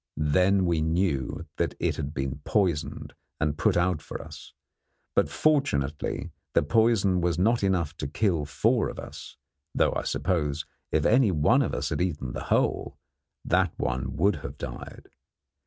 Then we knew that it had been poisoned and put out for us; but, fortunately, the poison was not enough to kill four of us, though, I suppose, if any one of us had eaten the whole, that one would have died.